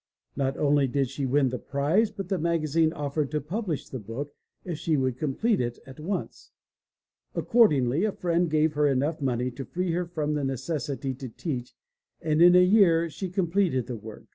Not only did she win the prize but the magazine offered to publish the book if she would complete it at once. Accordingly, a friend, gave her enough money to free her from the necessity to teach and in a year she completed the work.